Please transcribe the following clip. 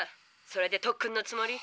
それで特訓のつもり？